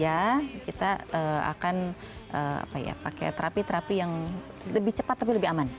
ya kita akan pakai terapi terapi yang lebih cepat tapi lebih aman